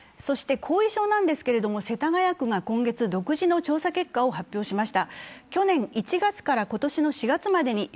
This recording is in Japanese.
後遺症なんですけれども、世田谷区が今月、独自の調査結果を発表しました。